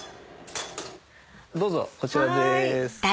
どうぞこちらです。